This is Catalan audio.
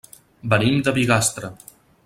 Venim de Bigastre.